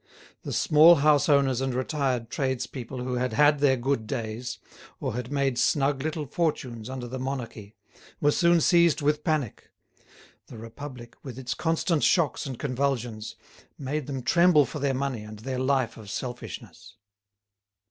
The small houseowners and retired tradespeople who had had their good days, or had made snug little fortunes under the monarchy, were soon seized with panic; the Republic, with its constant shocks and convulsions, made them tremble for their money and their life of selfishness.